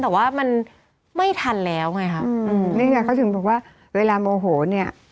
แต่ว่ามันไม่ทันแล้วไงครับอืมนี่ไงเขาถึงบอกว่าเวลาโมโหเนี่ย